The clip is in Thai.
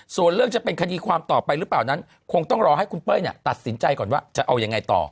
ส่วนเรื่องจะเป็นคดีความต่อไปหรือเปล่านั้นคงต้องรอให้คุณเป้ยตัดสินใจก่อนว่าจะเอายังไงต่อ